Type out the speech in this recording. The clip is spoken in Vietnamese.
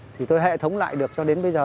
thì tôi hệ thống lại được cho đến bây giờ